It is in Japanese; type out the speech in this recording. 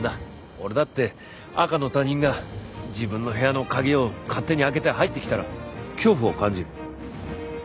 俺だって赤の他人が自分の部屋の鍵を勝手に開けて入ってきたら恐怖を感じる。